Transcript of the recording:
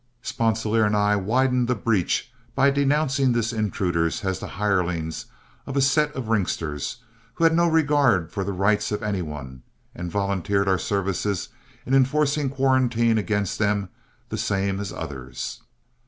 Sponsilier and I widened the breach by denouncing these intruders as the hirelings of a set of ringsters, who had no regard for the rights of any one, and volunteered our services in enforcing quarantine against them the same as others.